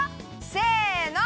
せの。